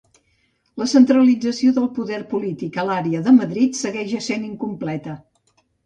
La centralització del poder polític a l'àrea de Madrid segueix essent incompleta.